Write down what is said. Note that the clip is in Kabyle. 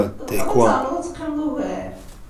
Tebɣiḍ ad ternuḍ ad teqqimeḍ ugar?